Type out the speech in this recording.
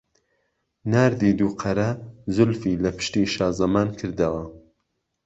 ناردی دوقەرە زولفی له پشتی شازەمانکردهوه